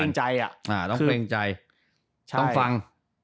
ต้องเตรียมใจต้องเตรียมใจต้องฟัง